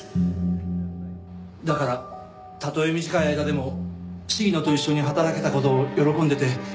だからたとえ短い間でも鴫野と一緒に働けた事を喜んでて。